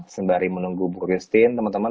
sembari menunggu bu christine teman teman